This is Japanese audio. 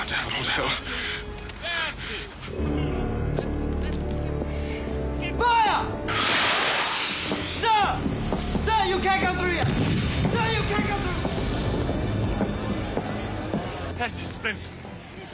よし。